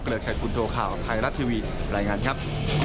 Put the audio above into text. เกลือกชัยบุญโทข่าวไทรัฐทีวีไลน์งานครับ